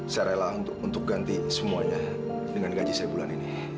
saya rela untuk ganti semuanya dengan gaji saya bulan ini